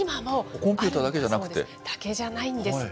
コンピューターだけじゃなくって？だけじゃないんですって。